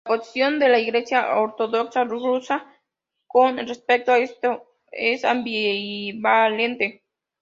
La posición de la Iglesia ortodoxa rusa con respecto a esto es ambivalente.